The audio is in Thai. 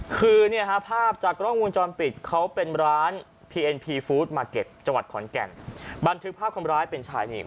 พีฟู้ดมาเก็บจังหวัดขอนแก่นบันทึกภาพความร้ายเป็นฉายนิ่ม